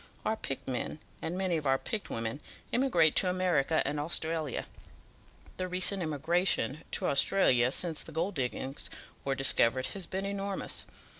Our picked men, and many of our picked women, emigrate to America and Australia. The recent emigration to Australia since the gold diggings were discovered has been enormous.